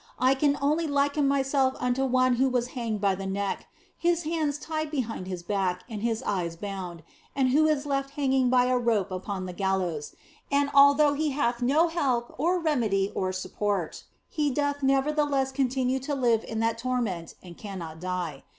I can only liken myself unto one who is hanged by the neck, his hands tied behind his back and his eyes bound, and who is left hanging by a rope upon the gallows ; and although he hath no help or remedy or support, he doth nevertheless continue to live in that torment and cannot die.